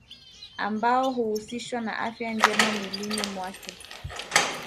Ambao huhusishwa na afya njema mwilini mwake